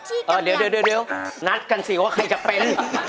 เดี๋ยวนัดกันสิว่าใครจะเป็น